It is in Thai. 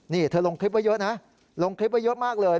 นี่เธอลงคลิปไว้เยอะนะลงคลิปไว้เยอะมากเลย